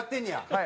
はい。